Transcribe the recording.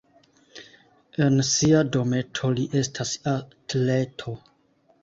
En sia dometo li estas atleto.